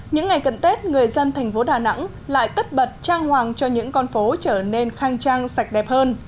những ngày cận tết người dân thành phố đà nẵng lại tất bật trang hoàng cho những con phố trở nên khang trang sạch đẹp hơn